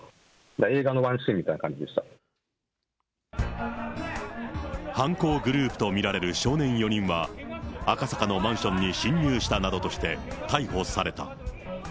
映画のワンシーンみたいな感じで犯行グループと見られる少年４人は、赤坂のマンションに侵入したなどとして逮捕された。